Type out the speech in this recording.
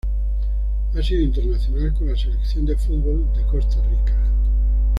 Ha sido internacional con la Selección de fútbol de Costa Rica.